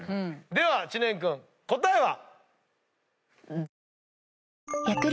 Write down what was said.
では知念君答えは？